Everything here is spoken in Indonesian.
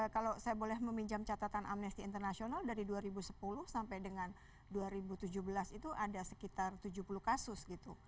kalau saya boleh meminjam catatan amnesty international dari dua ribu sepuluh sampai dengan dua ribu tujuh belas itu ada sekitar tujuh puluh kasus gitu